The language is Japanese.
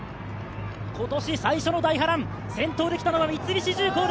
今年最初の大波乱、先頭で来たのは三菱重工だ。